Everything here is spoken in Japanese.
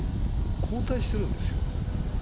後退してるんですよ。